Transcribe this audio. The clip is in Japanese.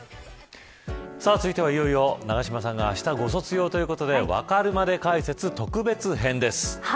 続いては、いよいよ永島さんがあしたご卒業ということで分かるまで解説、特別編です。